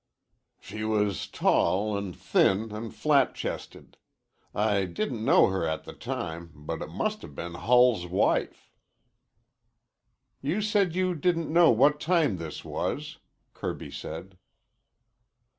"She was tall an' thin an' flat chested. I didn't know her at the time, but it must 'a' been Hull's wife." "You said you didn't know what time this was," Kirby said.